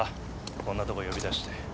こんなとこ呼び出して。